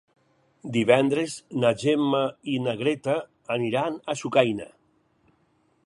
Divendres na Gemma i na Greta aniran a Sucaina.